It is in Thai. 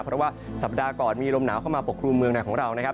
เพราะว่าสัปดาห์ก่อนมีลมหนาวเข้ามาปกครุมเมืองไหนของเรานะครับ